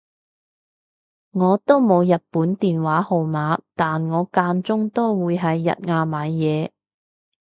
我都冇日本電話號碼但我間中都會喺日亞買嘢